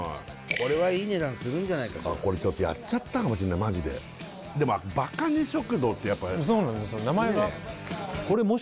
これはいい値段するんじゃないかちょっとやっちゃったかもしんないマジででも馬鹿値食堂ってやっぱそうなんですよ